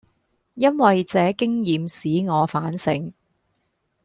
因爲這經驗使我反省，